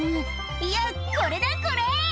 「いやこれだこれ！」